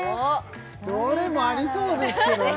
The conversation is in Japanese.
どれもありそうですけどね